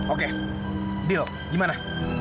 oke deal gimana